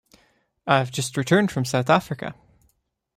I’ve just returned from South Africa.